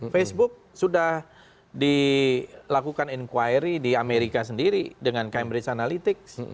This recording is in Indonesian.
facebook sudah dilakukan inquiry di amerika sendiri dengan cambridge analytics